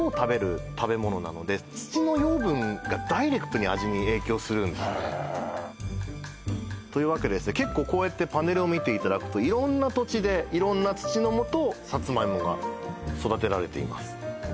もう同じ例えばサツマイモってへえというわけで結構こうやってパネルを見ていただくと色んな土地で色んな土のもとサツマイモが育てられています